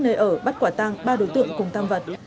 nơi ở bắt quả tăng ba đối tượng cùng tam vật